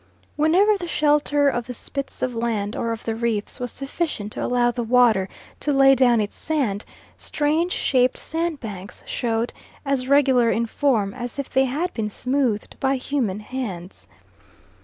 Whenever the shelter of the spits of land or of the reefs was sufficient to allow the water to lay down its sand, strange shaped sandbanks showed, as regular in form as if they had been smoothed by human hands.